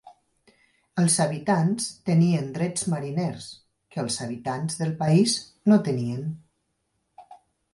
Els habitants tenien drets mariners, que els habitants del país no tenien.